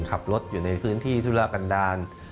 ขับรถอยู่ในพื้นที่ธุระกันดาล